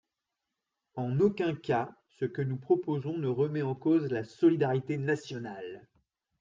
En aucun cas ce que nous proposons ne remet en cause la solidarité nationale.